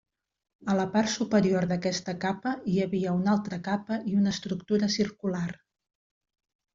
A la part superior d'aquesta capa hi havia una altra capa i una estructura circular.